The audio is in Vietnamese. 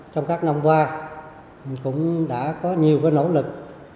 trong các năm qua cũng đã có nhiều nỗ lực